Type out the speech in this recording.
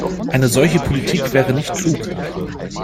Eine solche Politik wäre nicht klug.